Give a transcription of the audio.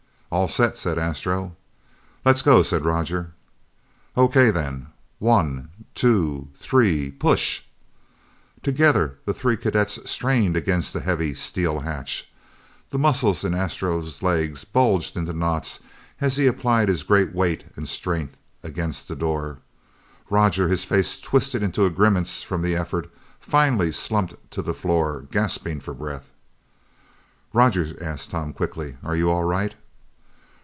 "All set," said Astro. "Let's go," said Roger. "O.K. then one two three push!" Together, the three cadets strained against the heavy steel hatch. The muscles in Astro's legs bulged into knots as he applied his great weight and strength against the door. Roger, his face twisted into a grimace from the effort, finally slumped to the floor, gasping for breath. "Roger," asked Tom quickly, "are you all right?"